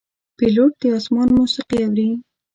پیلوټ د آسمان موسیقي اوري.